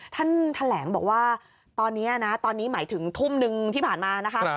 ท่านแถลงบอกว่าตอนนี้นะตอนนี้หมายถึงทุ่มนึงที่ผ่านมานะคะ